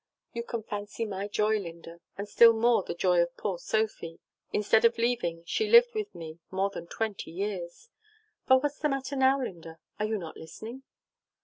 "You can fancy my joy, Linda, and still more the joy of poor Sophy. Instead of leaving, she lived with me more than twenty years. But what's the matter now, Linda? Are you not listening?"